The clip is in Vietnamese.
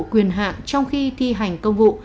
quyền hạn trong khi thi hành công vụ